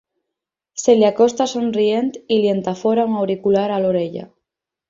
Se li acosta somrient i li entafora un auricular a l'orella.